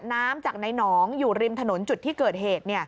น้ำจากในหนองอยู่ริมถนนจุดที่เกิดเหตุ